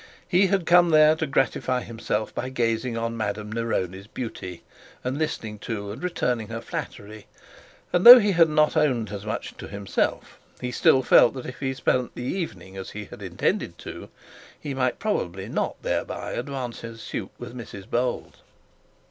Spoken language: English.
He had come there to gratify himself by gazing on Madame Neroni's beauty, and listening to and returning her flattery: and though he had not owned as much to himself, he still felt that if he spent the evening as he had intended to do, he might probably not thereby advance his suit with Mrs Bold.